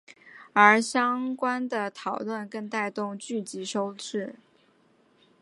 而相关的讨论更带动剧集收视。